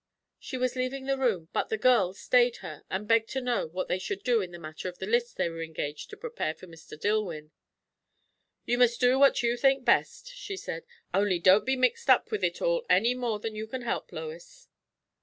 She was leaving the room, but the girls stayed her and begged to know what they should do in the matter of the lists they were engaged to prepare for Mr. Dillwyn. "You must do what you think best," she said. "Only don't be mixed up with it all any more than you can help, Lois."